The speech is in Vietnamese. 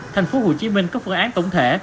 thành phố hồ chí minh có phương án tổng thể